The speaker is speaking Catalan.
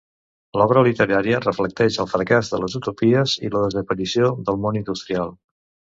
L'obra literària reflecteix el fracàs de les utopies i la desaparició del món industrial.